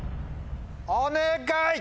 お願い！